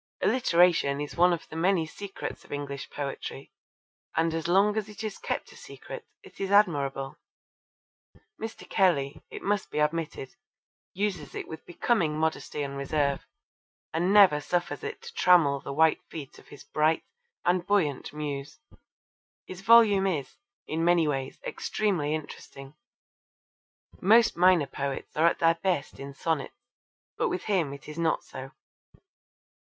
Alliteration is one of the many secrets of English poetry, and as long as it is kept a secret it is admirable. Mr. Kelly, it must be admitted, uses it with becoming modesty and reserve and never suffers it to trammel the white feet of his bright and buoyant muse. His volume is, in many ways, extremely interesting. Most minor poets are at their best in sonnets, but with him it is not so.